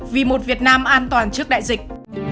vì một việt nam an toàn trước đại dịch